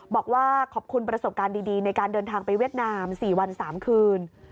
บอกว่าขอบคุณประสบการณ์ดีในการเดินทางไปเวียดนาม๔วัน๓คืน